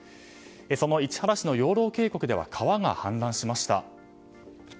その市原市の養老渓谷では川が氾濫しました。